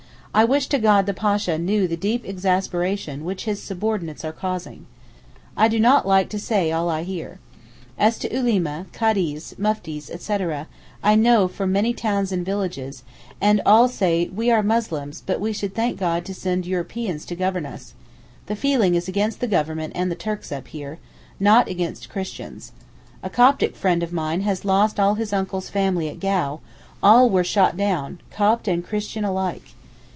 I wish to God the Pasha knew the deep exasperation which his subordinates are causing. I do not like to say all I hear. As to the Ulema, Kadees, Muftis, etc., I know many from towns and villages, and all say 'We are Muslims, but we should thank God to send Europeans to govern us,' the feeling is against the Government and the Turks up here—not against Christians. A Coptic friend of mine has lost all his uncle's family at Gau, all were shot down—Copt and Christian alike.